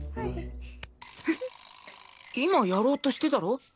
今やろうとしてたろ。